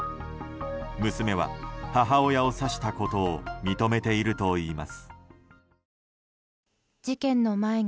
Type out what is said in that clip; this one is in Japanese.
娘は母親を刺したことを認めているといいます。